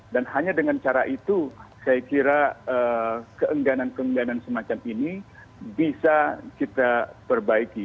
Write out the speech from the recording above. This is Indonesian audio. dan hanya dengan cara itu saya kira keengganan keengganan semacam ini bisa kita perbaiki